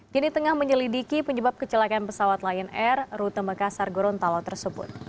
kini tengah menyelidiki penyebab kecelakaan pesawat lion air rute makassar gorontalo tersebut